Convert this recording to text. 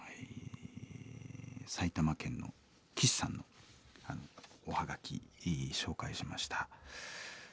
埼玉県のキシさんのおはがき紹介しました。